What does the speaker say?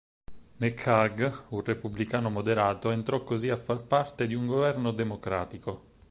McHugh, un repubblicano moderato, entrò così a far parte di un governo democratico.